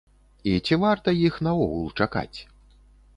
І ці варта іх наогул чакаць?